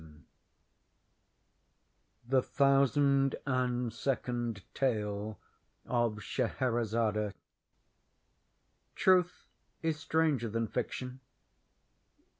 '" THE THOUSAND AND SECOND TALE OF SCHEHERAZADE Truth is stranger than fiction.